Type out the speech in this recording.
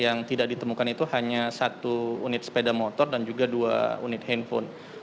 yang tidak ditemukan itu hanya satu unit sepeda motor dan juga dua unit handphone